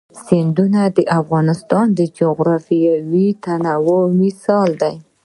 سیندونه د افغانستان د جغرافیوي تنوع مثال دی.